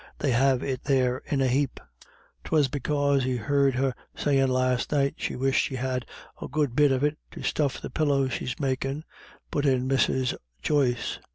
They have it there in a hape." "'Twas because he heard her sayin' last night she wished she had a good bit of it to stuff the pillow she's makin' me," put in Mrs. Joyce.